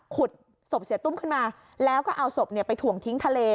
ขุดศพเสียตุ้มขึ้นมาแล้วก็เอาศพไปถ่วงทิ้งทะเล